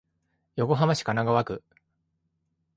横浜市神奈川区